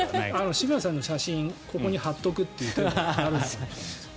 志村さんの写真ここに貼っておくという手はあるんじゃないですか。